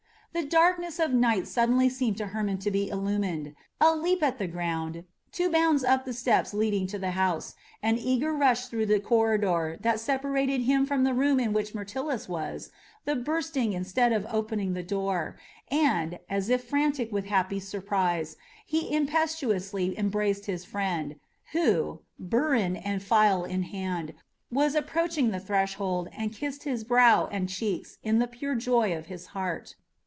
The darkness of the night suddenly seemed to Hermon to be illumined. A leap to the ground, two bounds up the steps leading to the house, an eager rush through the corridor that separated him from the room in which Myrtilus was, the bursting instead of opening of the door, and, as if frantic with happy surprise, he impetuously embraced his friend, who, burin and file in hand, was just approaching the threshold, and kissed his brow and cheeks in the pure joy of his heart.